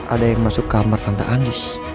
ada yang masuk ke kamar tante andis